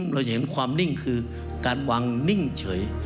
เราจะเห็นความนิ่งคือการวางนิ่งเฉย